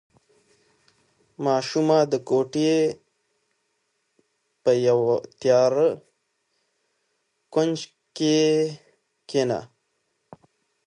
ماشوم د کوټې په یوه تیاره کونج کې کېناست.